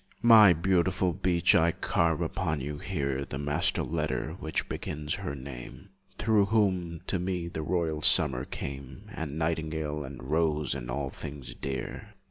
My beautiful beech, I carve upon you here The master letter which begins her name Through whom, to me, the royal summer came, And nightingale and rose, and all things dear.